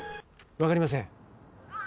分かりません。